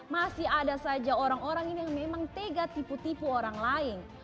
masih ada saja orang orang ini yang memang tega tipu tipu orang lain